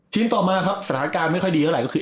ทีมต่อมาครับสถานการณ์ไม่ค่อยดีเยอะก็คือ